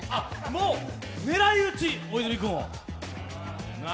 もう狙い打ち、大泉君を。